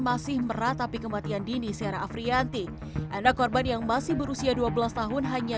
masih merah tapi kematian dini sarah afrianti anak korban yang masih berusia dua belas tahun hanya